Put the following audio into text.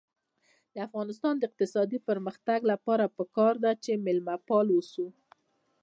د افغانستان د اقتصادي پرمختګ لپاره پکار ده چې مېلمه پال اوسو.